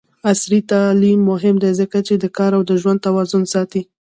عصري تعلیم مهم دی ځکه چې د کار او ژوند توازن ساتي.